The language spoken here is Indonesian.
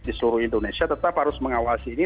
di seluruh indonesia tetap harus mengawasi ini